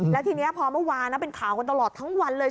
แล้วทีนี้พอเมื่อวานเป็นข่าวกันตลอดทั้งวันเลย